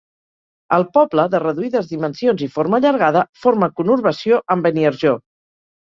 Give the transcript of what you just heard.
El poble, de reduïdes dimensions i forma allargada, forma conurbació amb Beniarjó.